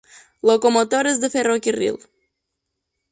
Locomotores de ferrocarril.